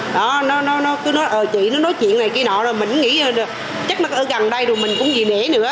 nó nói chuyện này kia nọ rồi mình nghĩ chắc nó ở gần đây rồi mình cũng gì nể nữa